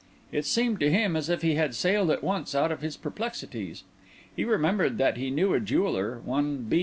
It seemed to him as if he had sailed at once out of his perplexities; he remembered that he knew a jeweller, one B.